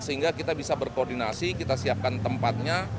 sehingga kita bisa berkoordinasi kita siapkan tempatnya